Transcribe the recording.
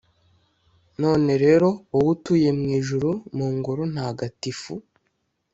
none rero, wowe utuye mu ijuru, mu ngoro ntagatifu,